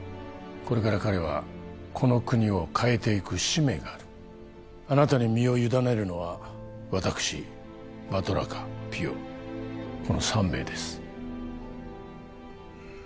これから彼はこの国を変えていく使命があるあなたに身を委ねるのは私バトラカピヨこの３名です